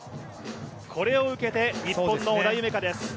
これを受けて、日本の織田夢海です。